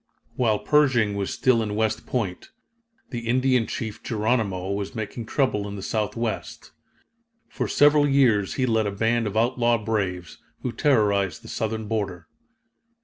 While Pershing was still in West Point, the Indian chief Geronimo was making trouble in the Southwest. For several years he led a band of outlaw braves, who terrorized the Southern border.